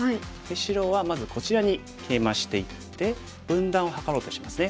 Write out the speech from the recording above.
白はまずこちらにケイマしていって分断を図ろうとしてますね。